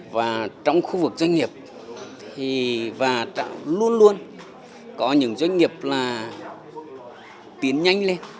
và trong khu vực doanh nghiệp và luôn luôn có những doanh nghiệp tiến nhanh lên